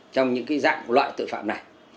trong những dạng loại tội phạm này